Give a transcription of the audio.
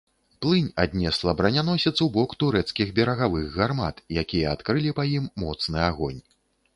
Плынь аднесла браняносец ў бок турэцкіх берагавых гармат, якія адкрылі па ім моцны агонь.